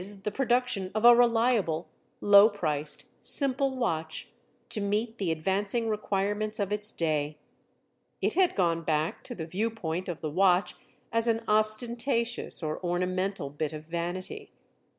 the production of a reliable, low priced, simple watch, to meet the advancing requirements of its day; it had gone back to the view point of the watch as an ostentatious or ornamental bit of vanity.